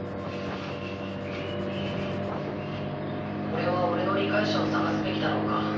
おれはおれの理解者を探すべきだろうか。